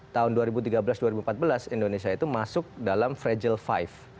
tahun dua ribu tiga belas dua ribu empat belas indonesia itu masuk dalam fragile lima